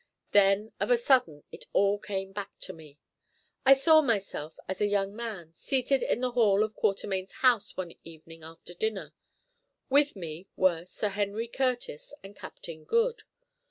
Then of a sudden it all came back to me. I saw myself, as a young man, seated in the hall of Quatermain's house one evening after dinner. With me were Sir Henry Curtis and Captain Good.